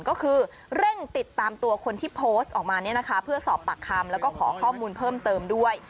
ก็คือเร่งติดตามตัวคนที่โพสต์ออกมาเนี่ยนะคะเพื่อสอบปากคำแล้วก็ขอข้อมูลเพิ่มเติมด้วย